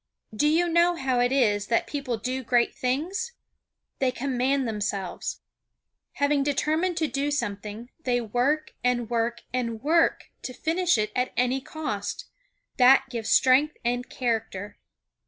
Do you know how it is that people do great things? They command themselves. Having determined to do something, they work and work and work to finish it at any cost. That gives strength and character.